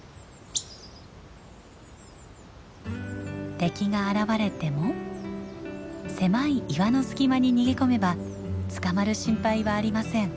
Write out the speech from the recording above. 敵が現れても狭い岩の隙間に逃げ込めばつかまる心配はありません。